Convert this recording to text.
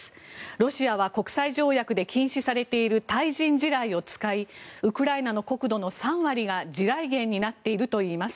ロシアは国際条約で禁止されている対人地雷を使いウクライナの国土の３割が地雷原になっているといいます。